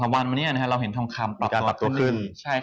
๒๓วันที่เราเห็นทองครรมปรับตัวขึ้น